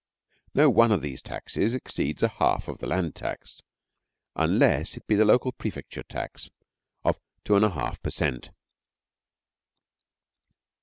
No one of these taxes exceeds a half of the land tax, unless it be the local prefecture tax of 2 1/2 per cent.